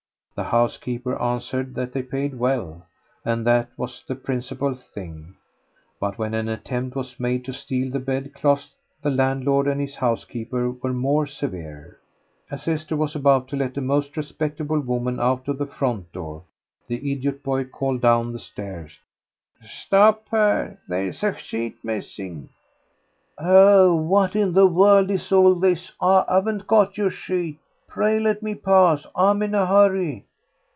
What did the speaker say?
The housekeeper answered that they paid well, and that was the principal thing. But when an attempt was made to steal the bedclothes the landlord and his housekeeper were more severe. As Esther was about to let a most respectable woman out of the front door, the idiot boy called down the stairs, "Stop her! There's a sheet missing." "Oh, what in the world is all this? I haven't got your sheet. Pray let me pass; I'm in a hurry."